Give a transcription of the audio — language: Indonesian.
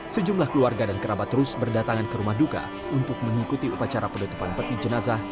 sejumlah keluarga dan kerabat terus berdatangan ke rumah duka untuk mengikuti upacara penutupan peti jenazah